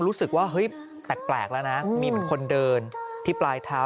รู้สึกว่าแปลกแล้วนะมีคนเดินที่ปลายเท้า